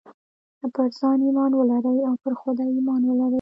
پر ځان ايمان ولرئ او پر خدای ايمان ولرئ.